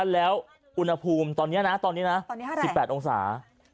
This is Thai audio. แล้วอุณหภูมิตอนนี้นะตอนนี้นะ๑๘องศา